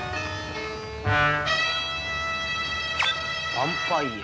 バンパイヤ。